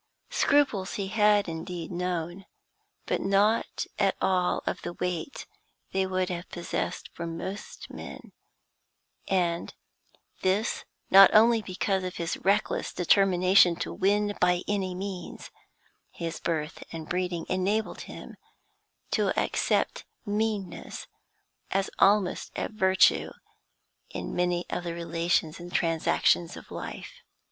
Scruples he had indeed known, but not at all of the weight they would have possessed for most men, and this not only because of his reckless determination to win by any means; his birth and breeding enabled him to accept meanness as almost a virtue in many of the relations and transactions of life.